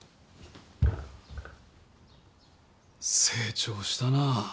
成長したな。